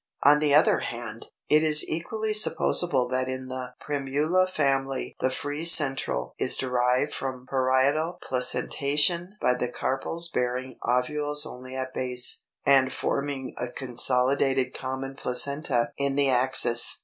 On the other hand, it is equally supposable that in the Primula family the free central is derived from parietal placentation by the carpels bearing ovules only at base, and forming a consolidated common placenta in the axis.